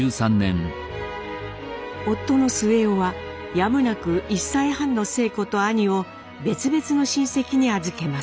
夫の末男はやむなく１歳半の晴子と兄を別々の親戚に預けます。